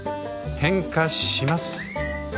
点火します。